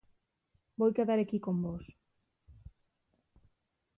Voi quedar equí con vós.